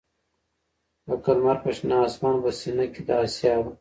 لکه لــــمــر پر شــــنه آســــمـــان په ســــینـه کـــي د آســــــــــیا به